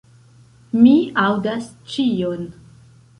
Mi aŭdas ĉion.